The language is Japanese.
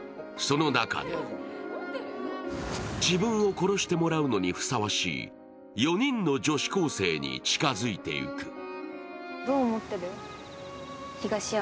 その中で、自分を殺してもらうのにふさわしい４人の女子高生に近づいていく。